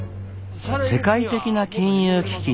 世界的な金融危機